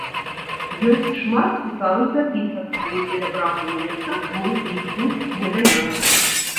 Ёсць шмат цікавых запісак, але дзеля браку месца мы іх тут не даём.